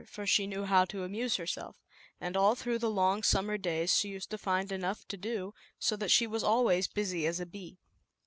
For she knew how to amuse herself, and all through the long summer days, she used to find enough to do, so that she was always busy as a bee.